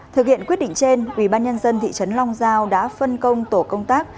thực hiện quyết định trên quỹ ban nhân dân thị trấn long giao đã phân công tổ công tác